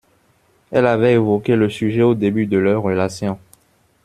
Elle avait évoqué le sujet au début de leur relation.